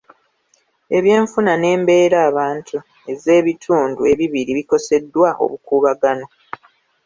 Ebyenfuna n'embeera bantu ez'ebitundu ebibiri bikoseddwa obukuubagano.